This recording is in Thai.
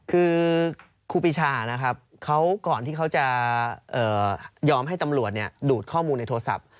คือครูปีชานะครับเขาก่อนที่เขาจะยอมให้ตำรวจดูดข้อมูลในโทรศัพท์